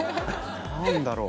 何だろう？